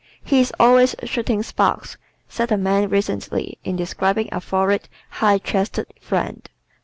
"He is always shooting sparks," said a man recently in describing a florid, high chested friend.